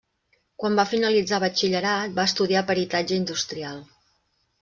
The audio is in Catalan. Quan va finalitzar Batxillerat, va estudiar peritatge industrial.